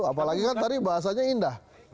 apalagi kan tadi bahasanya indah